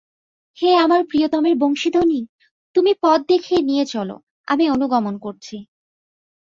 হে আমার প্রিয়তমের বংশীধ্বনি! তুমি পথ দেখিয়ে নিয়ে চল, আমি অনুগমন করছি।